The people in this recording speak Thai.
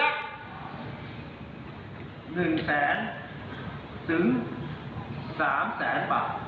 ๑แสนถึง๓แสนบาท